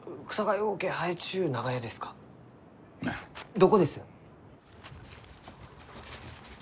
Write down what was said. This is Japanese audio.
どこです？